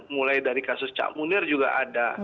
mulai dari kasus cak munir juga ada